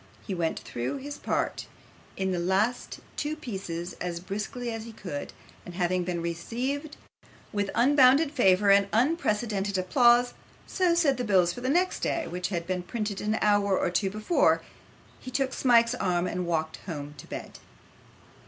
He went through his part in the two last pieces as briskly as he could, and having been received with unbounded favour and unprecedented applause so said the bills for next day, which had been printed an hour or two before he took Smike's arm and walked home to bed.